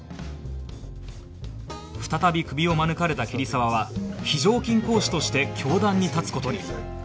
再びクビを免れた桐沢は非常勤講師として教壇に立つ事に